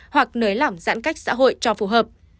hoặc nới lỏng giãn cách xã hội cho phù hợp